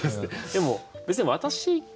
でも別に私が